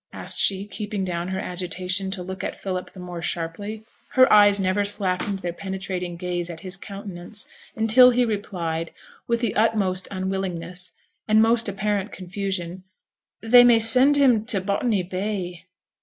asked she, keeping down her agitation to look at Philip the more sharply. Her eyes never slackened their penetrating gaze at his countenance, until he replied, with the utmost unwillingness, and most apparent confusion, 'They may send him to Botany Bay.'